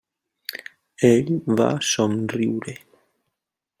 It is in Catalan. Ell va somriure.